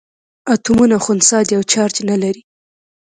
اتومونه خنثي دي او چارج نه لري.